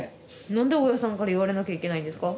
何で大家さんから言われなきゃいけないんですか？